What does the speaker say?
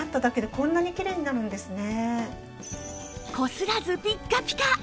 こすらずピッカピカ！